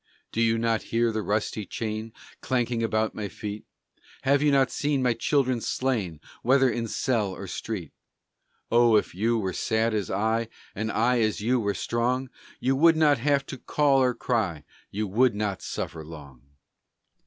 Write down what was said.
Do you not hear the rusty chain Clanking about my feet? Have you not seen my children slain, Whether in cell or street? Oh, if you were sad as I, And I as you were strong, You would not have to call or cry You would not suffer long!